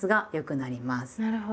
なるほど。